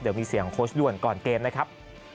เดี๋ยวมีเสียงของโค้ชด่วนก่อนเกมนะครับ